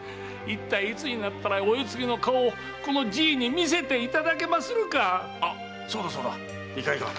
いつになったらお世継ぎの顔をじいに見せていただけまするか⁉あそうだいかん。